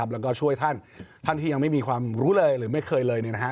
แล้วก็ช่วยท่านท่านที่ยังไม่มีความรู้เลยหรือไม่เคยเลย